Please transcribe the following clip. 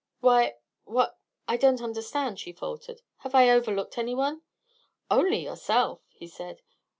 "Why what I don't understand," she faltered. "Have I overlooked anyone?" "Only yourself," he said.